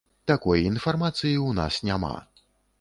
Такой інфармацыі ў нас няма.